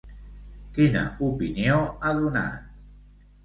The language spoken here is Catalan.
Quina opinió ha donat?